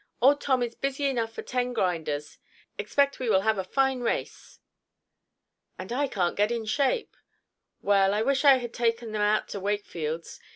"Old Tom is busy enough for ten grinders. Expect we will have a fine race." "And I can't get in shape. Well, I wish I had taken them out to Wakefield's.